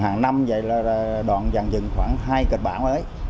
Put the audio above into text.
hàng năm đoàn dàn dựng khoảng hai kịch bản mới